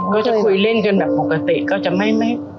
ก็จะคุยเล่นเกินแบบปกติ